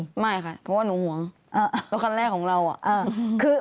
อยู่ไม่มีไม่ค่ะเพราะว่าหนูหวงอ่าตัวคันแรกของเราอ่าคือ